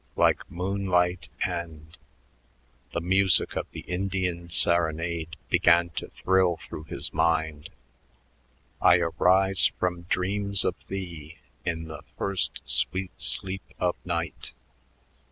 Like moonlight and " The music of the "Indian Serenade" began to thrill through his mind: "I arise from dreams of thee In the first sweet sleep of night....